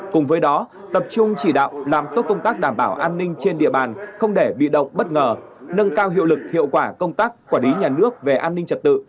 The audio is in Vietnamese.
cùng với đó tập trung chỉ đạo làm tốt công tác đảm bảo an ninh trên địa bàn không để bị động bất ngờ nâng cao hiệu lực hiệu quả công tác quản lý nhà nước về an ninh trật tự